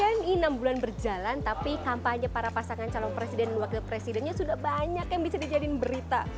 ini enam bulan berjalan tapi kampanye para pasangan calon presiden dan wakil presidennya sudah banyak yang bisa dijadiin berita